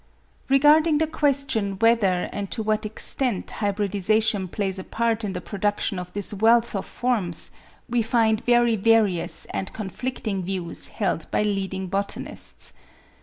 Regarding the question whether and to what extent hybridisation plays a part in the production of this wealth of forms, we find very various and conflicting views held by leading botanists.